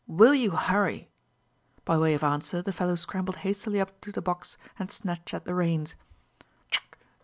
Will you hurry?" By way of answer the fellow scrambled hastily up to the box and snatched at the reins.